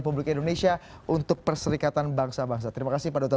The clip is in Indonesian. apa yang dilakukan oleh negara di pbb di hadapan oft i n